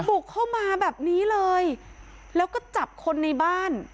บุกเข้ามาแบบนี้เลยแล้วก็จับคนในบ้าน